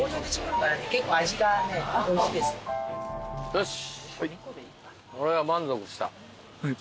よし。